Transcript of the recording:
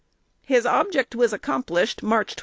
] His object was accomplished (March 28).